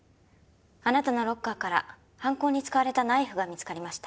あなたのロッカーから犯行に使われたナイフが見つかりました。